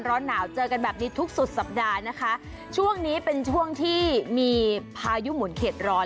ร้อนหนาวเจอกันแบบนี้ทุกสุดสัปดาห์นะคะช่วงนี้เป็นช่วงที่มีพายุหมุนเข็ดร้อน